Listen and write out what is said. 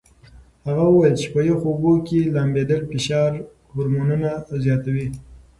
هغه وویل چې په یخو اوبو کې لامبېدل فشار هورمونونه زیاتوي.